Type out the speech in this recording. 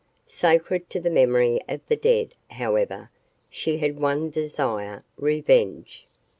Sacred to the memory of the dead, however, she had one desire revenge.